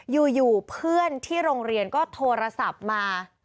อยู่เพื่อนที่โรงเรียนก็โทรศัพท์มา